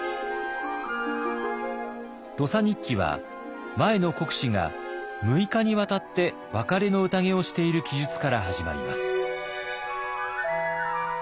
「土佐日記」は前の国司が６日にわたって別れの宴をしている記述から始まります。